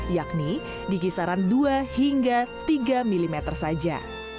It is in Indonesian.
yakni di kisaran dua hingga tiga mm saja